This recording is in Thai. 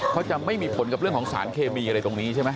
จะไม่มีผลกับเรื่องของสารเคมีอะไรตรงนี้ใช่ไหม